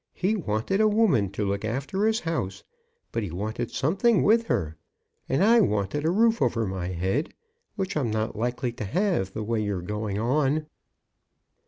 He wanted a woman to look after his house; but he wanted something with her. And I wanted a roof over my head; which I'm not likely to have, the way you're going on."